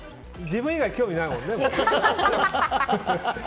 自分以外興味ないもんね。